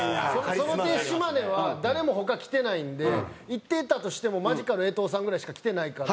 その点島根は誰も他来てないんで行ってたとしてもマジカル江島さんぐらいしか来てないから。